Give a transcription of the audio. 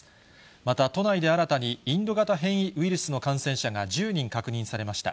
また都内で新たに、インド型変異ウイルスの感染者が１０人確認されました。